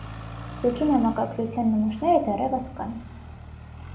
Զույգի նամակագրության նմուշները դեռևս կան։